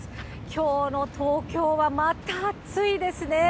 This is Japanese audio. きょうの東京はまた暑いですね。